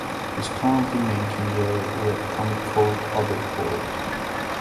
He's currently making a webcomic called "Otherworld".